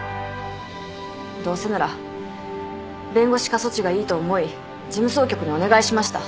どうせなら弁護士過疎地がいいと思い事務総局にお願いしました。